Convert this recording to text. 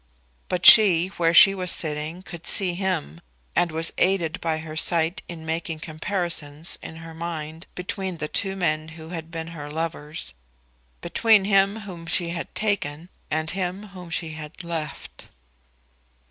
But she, where she was sitting, could see him, and was aided by her sight in making comparisons in her mind between the two men who had been her lovers, between him whom she had taken and him whom she had left.